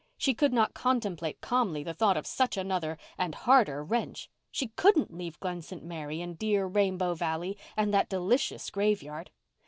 She could not contemplate calmly the thought of such another and harder wrench. She couldn't leave Glen St. Mary and dear Rainbow Valley and that delicious graveyard.